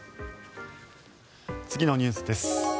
次のニュースです。